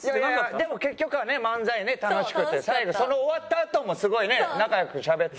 でも結局はね漫才ね楽しくて最後その終わったあともすごいね仲良くしゃべって。